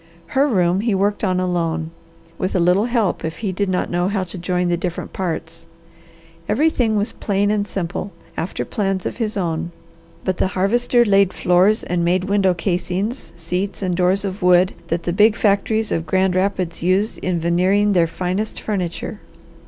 Her room he worked on alone, with a little help if he did not know how to join the different parts. Every thing was plain and simple, after plans of his own, but the Harvester laid floors and made window casings, seats, and doors of wood that the big factories of Grand Rapids used in veneering their finest furniture.